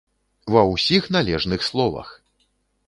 Ва ўсіх належных словах!